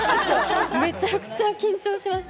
めちゃくちゃ緊張しました。